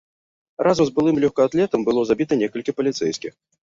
Разам з былым лёгкаатлетам было забіта некалькі паліцэйскіх.